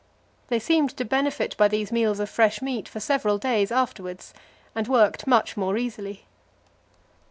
They seemed to benefit by these meals of fresh meat for several days afterwards, and worked much more easily.